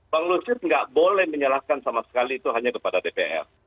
bang lusir tidak boleh menyalahkan sama sekali itu hanya kepada dpr